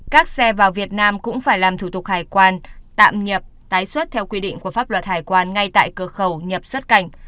các xe vào việt nam cũng phải làm thủ tục hải quan tạm nhập tái xuất theo quy định của pháp luật hải quan ngay tại cửa khẩu nhập xuất cảnh